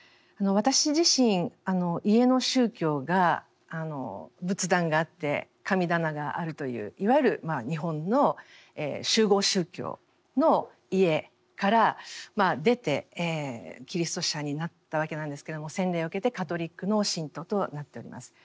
私自身家の宗教が仏壇があって神棚があるといういわゆる日本の習合宗教の家から出てキリスト者になったわけなんですけれども洗礼を受けてカトリックの信徒となっております。